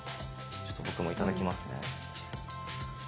ちょっと僕も頂きますね。